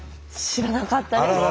知らなかったです。